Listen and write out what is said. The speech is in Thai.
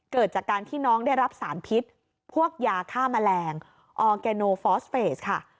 เกิดจากการที่น้องได้รับสารพิษพวกยาฆ่าแมลงค่ะ